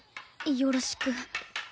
よろしく。